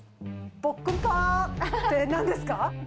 ポックンパってなんですか？